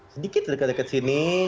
sedikit dekat dekat sini